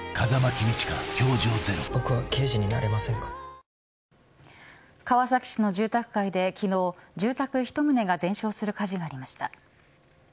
安全運転でいってらっしゃい川崎市の住宅街で昨日住宅１棟が全焼する火事がありました。